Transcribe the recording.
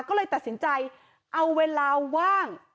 ก็เลยตัดสินใจเอาเวลาว่าง